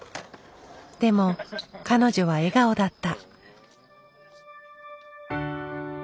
でも彼女は笑顔だった。